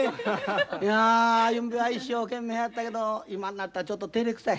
いやゆんべは一生懸命やったけど今んなったらちょっとてれくさい。